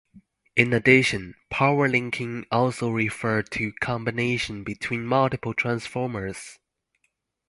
In addition, Powerlinking also referred to combination between multiple Transformers.